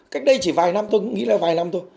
cách đây chỉ vài năm tôi cũng nghĩ là vài năm thôi